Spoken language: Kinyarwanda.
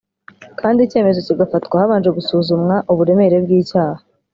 kandi icyemezo kigafatwa habanje gusuzumwa uburemere bw’icyaha